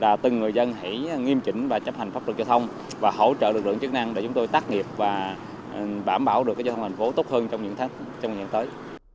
là từng người dân hãy nghiêm chỉnh và chấp hành pháp luật giao thông và hỗ trợ lực lượng chức năng để chúng tôi tắt nghiệp và bảm bảo được giao thông thành phố tốt hơn trong những tháng tới